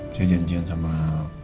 saya janjian sama